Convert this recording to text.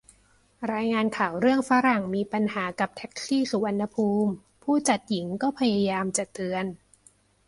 รายงานข่าวเรื่องฝรั่งมีปัญหากับแท็กซี่สุวรรณภูมิ ผู้จัดหญิงก็พยายามจะเตือน